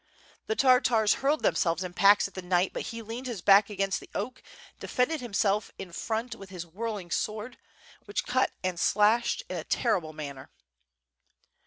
The Tartars hurled themselves in packs at the knight, but he leaned his back against the oak, and defended himself in front with his whirling sword, which cut and slashed in a terrible manner.